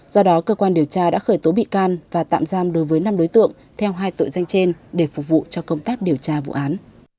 do đó cơ quan điều tra đã khởi tố bị can và tạm giam đối với năm đối tượng theo hai tội danh trên để phục vụ cho công tác điều tra vụ án